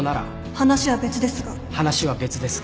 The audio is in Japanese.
話は別ですが話は別ですが。